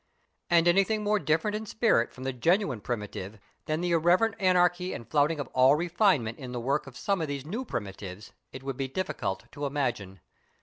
And anything more different in spirit from the genuine primitive than the irreverent anarchy and flouting of all refinement in the work of some of these new primitives, it would be difficult to imagine.